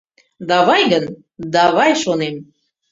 Давай гын, давай, шонем.